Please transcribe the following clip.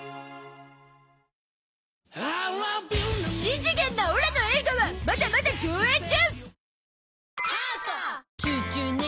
しん次元なオラの映画はまだまだ上映中！